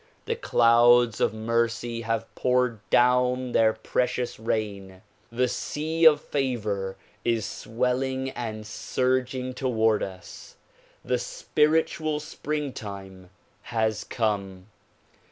The clouds of mercy have poured down their precious rain. The sea of favor is swelling and surging toward us. The spiritual springtime has come.